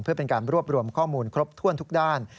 เพื่อเป็นการรวบรวมข้อมูลครบถ้วนทุกด้าน